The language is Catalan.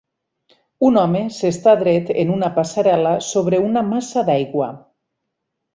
Un home s'està dret en una passarel·la sobre una massa d'aigua.